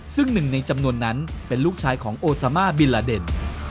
ซึ่งหนึ่งในจำนวนนั้นเป็นลูกชายของโอซามาบิลลาเดน